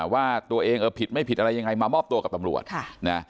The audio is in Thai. ว่าตัวเองผิดไม่ผิดอะไรยังไงมามอบตัวกับตำรวจ